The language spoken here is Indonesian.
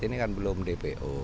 ini kan belum dpo